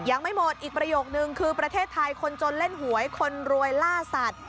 ยังไม่หมดอีกประโยคนึงคือประเทศไทยคนจนเล่นหวยคนรวยล่าสัตว์